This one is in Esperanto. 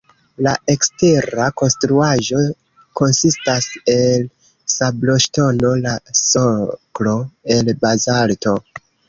La ekstera konstruaĵo konsistas el sabloŝtono, la soklo el bazalto.